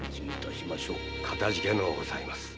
かたじけのうございます。